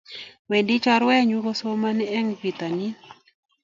Wendi chorwenyun kosomani en pitanin